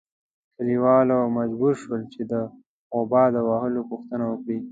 کلیوال مجبور شول چې د غوبه د وهلو پوښتنه وکړي.